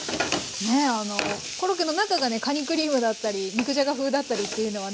ねあのコロッケの中がねかにクリームだったり肉じゃが風だったりっていうのはね